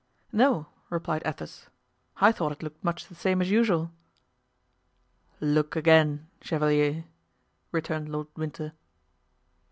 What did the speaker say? "No," replied Athos; "I thought it looked much the same as usual." "Look, again, chevalier," returned Lord Winter.